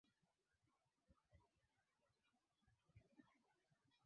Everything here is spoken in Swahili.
labda wafanye uchaguzi mwingine labda mazungumzo hata kabla ya hapo